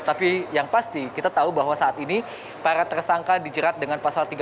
tapi yang pasti kita tahu bahwa saat ini para tersangka dijerat dengan pasal tiga puluh